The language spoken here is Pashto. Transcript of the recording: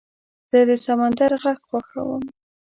زه د سمندر غږ خوښوم.